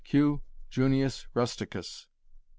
Q Junius Rusticus ...